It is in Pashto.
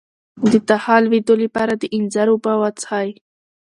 د تخه د لوییدو لپاره د انځر اوبه وڅښئ